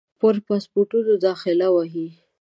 پر پاسپورټونو داخله وهي.